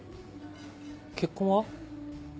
結婚は？